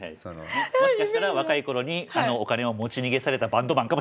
もしかしたら若いころにお金を持ち逃げされたバンドマンかもしれません。